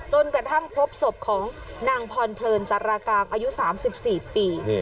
จนกระทั่งพบศพของนางพรเพลินสารกางอายุ๓๔ปี